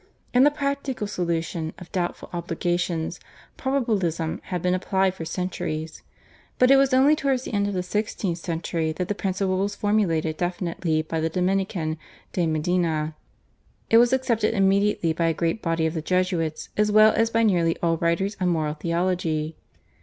In the practical solution of doubtful obligations Probabilism had been applied for centuries, but it was only towards the end of the sixteenth century that the principle was formulated definitely by the Dominican, De Medina. It was accepted immediately by a great body of the Jesuits, as well as by nearly all writers on moral theology.